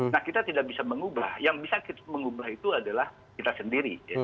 nah kita tidak bisa mengubah yang bisa kita mengubah itu adalah kita sendiri